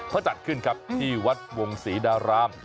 เขาจัดขึ้นครับที่วัดวงศรีดาราม